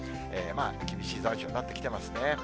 まあ厳しい残暑になってきてますね。